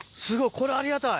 これありがたい！